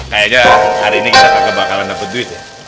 kayaknya hari ini kita nggak bakalan dapet duit ya